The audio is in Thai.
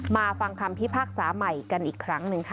ฟังคำพิพากษาใหม่กันอีกครั้งหนึ่งค่ะ